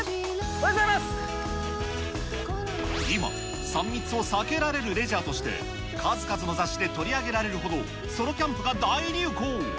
お今、３密を避けられるレジャーとして数々の雑誌で取り上げられるほど、ソロキャンプが大流行。